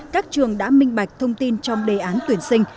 các trường đã minh bạch thông tin trong đề án tuyển sinh